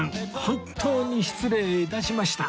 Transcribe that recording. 本当に失礼致しました